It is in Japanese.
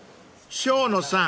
［生野さん